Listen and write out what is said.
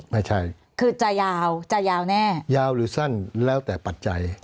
ไม่ใช่คือจะยาวจะยาวแน่ยาวหรือสั้นแล้วแต่ปัจจัย